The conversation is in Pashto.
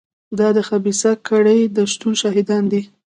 دا د خبیثه کړۍ د شتون شاهدان دي.